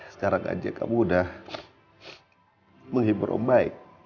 sekarang aja kamu udah menghibur om baik